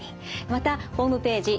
またホームページ